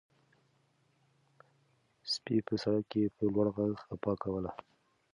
سپي په سړک کې په لوړ غږ غپا کوله.